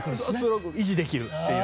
それを維持できるっていう。